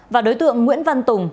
và đối tượng nguyễn văn tùng